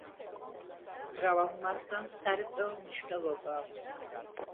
მრავალ მათგანს სარეწაო მნიშვნელობა აქვს.